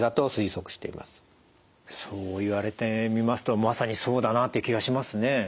そう言われてみますとまさにそうだなという気がしますね。